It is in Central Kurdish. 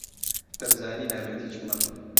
دەمزانی نابێت هیچ بڵێم.